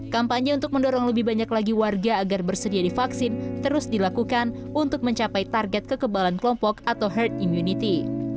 kampanye untuk mendorong lebih banyak lagi warga agar bersedia divaksin terus dilakukan untuk mencapai target kekebalan kelompok atau herd immunity